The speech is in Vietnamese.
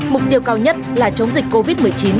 mục tiêu cao nhất là chống dịch covid một mươi chín